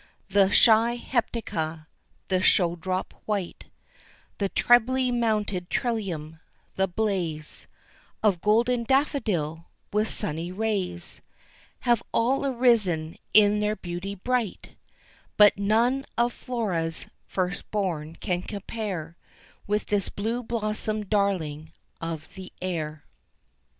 The shy hepatica; the showdrop white; The trebly mounted trillium; the blaze Of golden daffodil with sunny rays Have all arisen in their beauty bright; But none of Flora's first born can compare, With this blue blossomed darling of the air.